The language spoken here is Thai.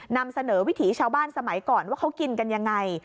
นำเสนอวิถีชาวบ้านสมัยก่อนว่าเขากินกันยังไง